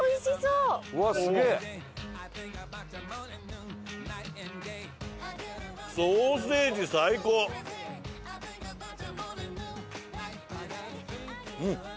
うん。